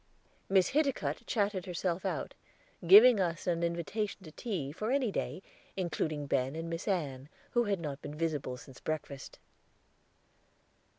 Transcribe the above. Miss Hiticutt chatted herself out, giving us an invitation to tea, for any day, including Ben and Miss Ann, who had not been visible since breakfast.